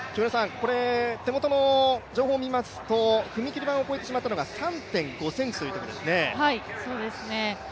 手元の情報を見ますと踏切版を超えてしまったのが３．５ｃｍというところですね。